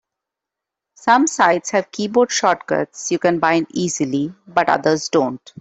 Some sites have keyboard shortcuts you can bind easily, but others don't.